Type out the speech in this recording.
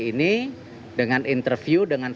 saya yang pasti dari beliau rencana